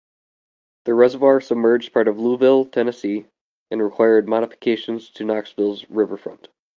The reservoir submerged part of Louisville, Tennessee, and required modifications to Knoxville's riverfront.